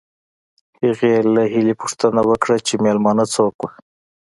هغې له هیلې پوښتنه وکړه چې مېلمانه څوک وو